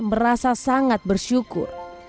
berasa sangat bersyukur